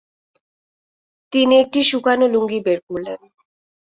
তিনি একটি শুকনো লুঙ্গি বের করলেন।